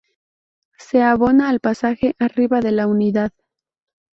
Se abona el pasaje arriba de la unidad.